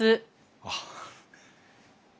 あっ。